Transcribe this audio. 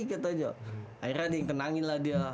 akhirnya dia yang kenangin lah dia